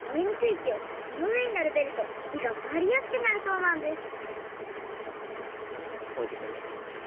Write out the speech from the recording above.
いきをそのうえにならべるとひがまわりやすくなるそうなんですもえてきたね。